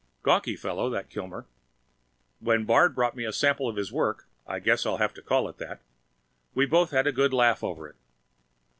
Gawky fellow that Kilmer. When Bard brought me a sample of his work I guess I'll have to call it that we both had a good laugh over it!